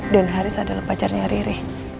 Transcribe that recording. dan haris adalah pacarnya riri